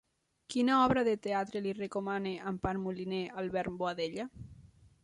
Quina obra de teatre li recomana Empar Moliner a Albert Boadella?